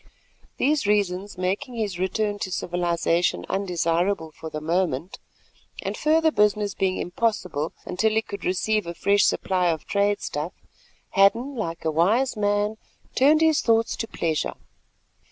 These reasons making his return to civilisation undesirable for the moment, and further business being impossible until he could receive a fresh supply of trade stuff, Hadden like a wise man turned his thoughts to pleasure.